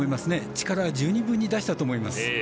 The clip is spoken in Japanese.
力は十二分に出したと思います。